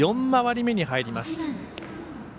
４回り目に入ります。